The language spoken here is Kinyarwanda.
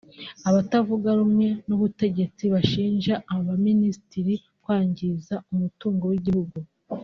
abatavuga rumwe n’ubutegetsi bashinja Abaminisitiri kwangiza umutungo w’igihugu